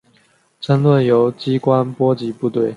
争论由机关波及部队。